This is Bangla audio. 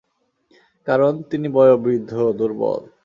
কারণ, তিনি বয়োবৃদ্ধ, দুর্বল।